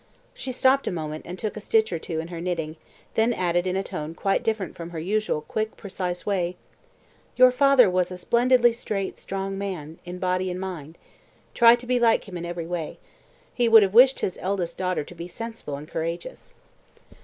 She stopped a moment, and took a stitch or two in her knitting, then added in a tone quite different from her usual quick, precise way, "Your father was a splendidly straight, strong man in body and mind. Try to be like him in every way. He would have wished his eldest daughter to be sensible and courageous."